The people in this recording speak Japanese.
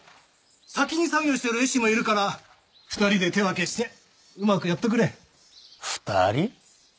先に作業してる絵師もいるから２人で手分けしてうまくやっとくれ２人？